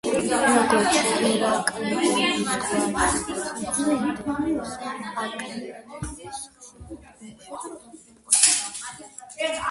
როგორც ჰერაკლიდების გვარის ფუძემდებელს, ალკმენეს ხშირად უმღეროდნენ პოეტები.